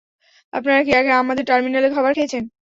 আপনারা কি আগে আমাদের টার্মিনালে খাবার খেয়েছেন?